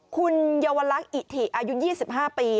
คุณเยาวลักษณ์อิถิอายุ๒๕ปี